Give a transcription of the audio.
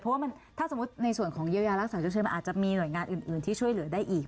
เพราะว่าถ้าสมมุติในส่วนของเยียวยารักษาชดเชยมันอาจจะมีหน่วยงานอื่นที่ช่วยเหลือได้อีก